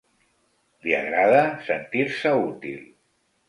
Li agrada sentir-se útil.